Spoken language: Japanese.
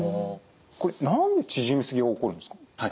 これ何で縮みすぎが起こるんですか？